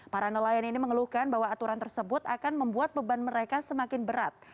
para nelayan ini mengeluhkan bahwa aturan tersebut akan membuat beban mereka semakin berat